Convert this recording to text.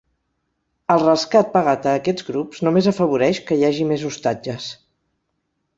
El rescat pagat a aquests grups només afavoreix que hi hagi més ostatges.